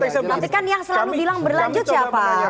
tapi kan yang selalu bilang berlanjut siapa